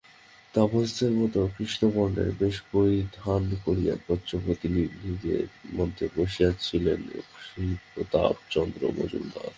তাপসদের মত কৃষ্ণবর্ণের বেশ পরিধান করিয়া প্রাচ্য প্রতিনিধিদের মধ্যে বসিয়াছিলেন শ্রীপ্রতাপচন্দ্র মজুমদার।